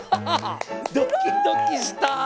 ドキドキした。